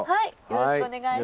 よろしくお願いします。